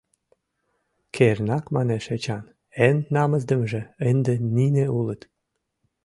— Кернак, — манеш Эчан, — эн намысдымыже ынде нине улыт.